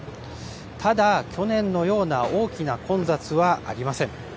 ただ、去年のような大きな混雑はありません。